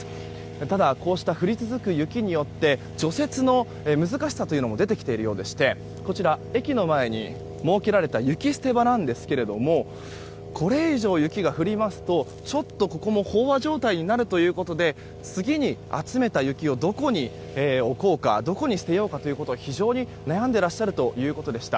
ただ、こうした降り続く雪によって除雪の難しさも出てきているようでして駅の前に設けられた雪捨て場なんですがこれ以上雪が降りますと飽和状態になるということで次に集めた雪をどこに捨てようかということも非常に悩んでらっしゃるということでした。